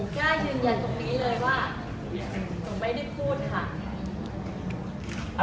กล้ายืนยันตรงนี้เลยว่าหนูไม่ได้พูดค่ะ